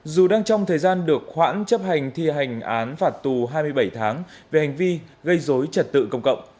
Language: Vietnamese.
dù đang trong thời gian được khoản chấp hành thi hành án phạt tù hai mươi bảy tháng về hành vi gây dối trật tự công cộng